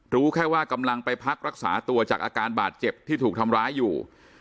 รู้แค่ว่ากำลังไปพักรักษาตัวจากอาการบาดเจ็บที่ถูกทำร้ายอยู่